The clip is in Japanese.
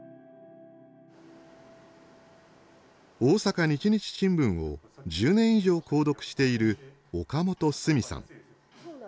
大阪日日新聞を１０年以上購読している岡本澄さん。